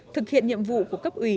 thực hiện nhiệm vụ của cấp ủy